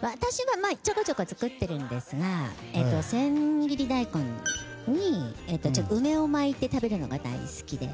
私はちょこちょこ作っているんですが千切り大根に梅を巻いて食べるのが大好きで。